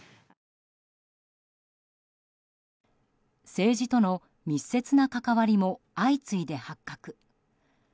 政治との密接な関わりも相次いで発覚。